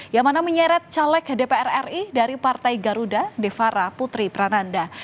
yang mana menyeret caleg dpr ri dari partai garuda devara putri prananda